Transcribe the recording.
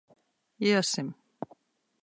Iesim.